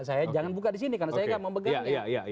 saya jangan buka di sini karena saya gak mau pegang ya